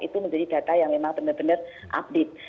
itu menjadi data yang memang benar benar update